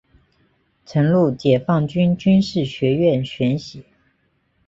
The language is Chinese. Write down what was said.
曾入解放军军事学院学习。